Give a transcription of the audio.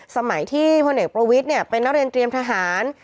สมัยที่พลเนกประวิทย์เนี่ยไปนรเตรียมทหาร